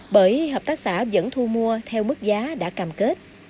bởi hợp tác xã vẫn thu mua theo mức giá đã cam kết